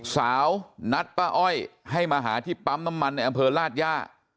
นัดป้าอ้อยให้มาหาที่ปั๊มน้ำมันในอำเภอลาดย่า